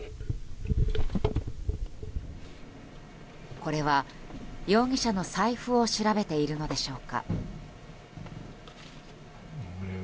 これは、容疑者の財布を調べているのでしょうか。